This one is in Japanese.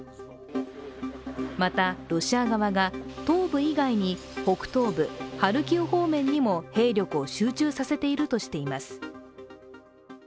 また、ロシア側が東部以外に北東部ハルキウ方面にも兵力を集中させているとしています。